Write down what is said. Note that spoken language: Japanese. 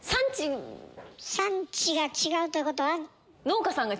産地が違うということは？